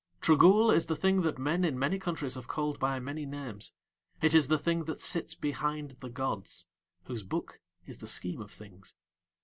Trogool is the Thing that men in many countries have called by many names, It is the Thing that sits behind the gods, whose book is the Scheme of Things.